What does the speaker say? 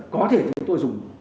có thể chúng tôi dùng đó